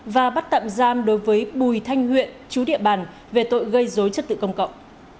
và bắt tạm giam đối với bùi thanh huyện chú địa bàn về tội gây dối chất tự công cộng